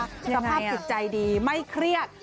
สภาพจิตใจดีไม่เครียด